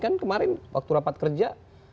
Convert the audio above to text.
kan kemarin waktu rapat kerja